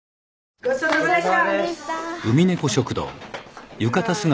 ごちそうさまでした。